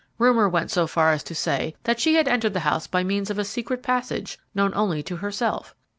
Rumour went so far as to say that she had entered the house by means of a secret passage known only to herself.